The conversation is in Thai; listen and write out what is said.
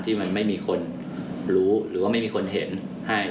ที่มันไม่มีคนรู้หรือว่าไม่มีคนเห็นให้